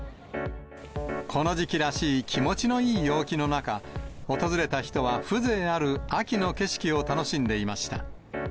この時期らしい気持ちのいい陽気の中、訪れた人は風情ある秋の景色を楽しんでいました。